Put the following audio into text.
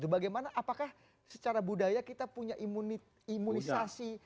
bagaimana apakah secara budaya kita punya imunisasi